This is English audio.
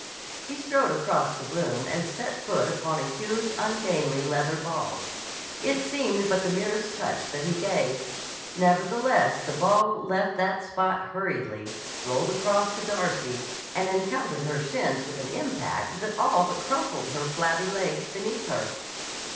He strode across the room and set foot upon a huge, ungainly leather ball. It seemed but the merest touch that he gave. Nevertheless the ball left that spot hurriedly, rolled across to Darcy and encountered her shins with an impact that all but crumpled her flabby legs beneath her.